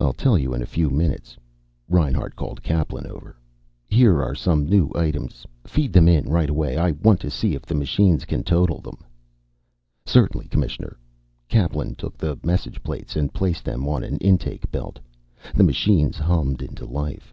"I'll tell you in a few minutes." Reinhart called Kaplan over. "Here are some new items. Feed them in right away. I want to see if the machines can total them." "Certainly, Commissioner." Kaplan took the message plates and placed them on an intake belt. The machines hummed into life.